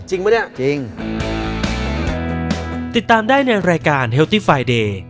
จริงมั้ยเนี่ย